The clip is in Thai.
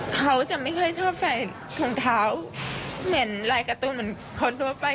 เขาจะไม่ค่อยชอบใส่ถุงเท้าเหมือนลายการ์ตูนเหมือนคนทั่วไป